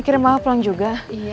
akhirnya mama pulang juga